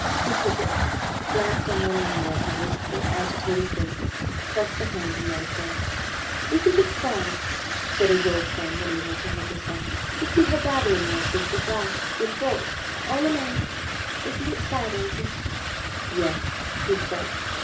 He took it, glanced unwillingly at her wistful, agitated face, pressed the hand, and let it go. "Isn't it sad," said his old friend, unable to help herself, "to see her battling like this with life with thought all alone? Isn't it sad, Aldous?" "Yes," he said.